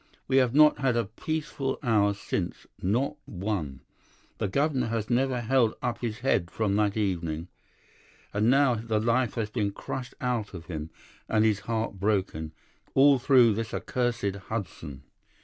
We have not had a peaceful hour since—not one. The governor has never held up his head from that evening, and now the life has been crushed out of him and his heart broken, all through this accursed Hudson.